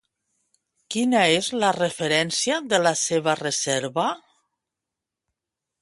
Quina és la referència de la seva reserva?